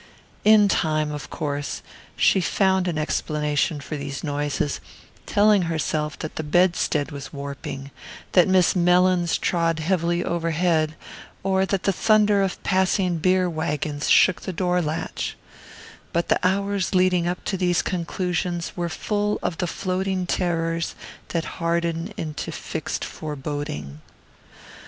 In time, of course, she found an explanation for these noises, telling herself that the bedstead was warping, that Miss Mellins trod heavily overhead, or that the thunder of passing beer waggons shook the door latch; but the hours leading up to these conclusions were full of the floating terrors that harden into fixed foreboding.